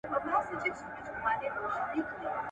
له بدو څخه یا غلی اوسه یا لیري اوسه !.